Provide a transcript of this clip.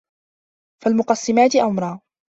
فَالمُقَسِّماتِ أَمرًا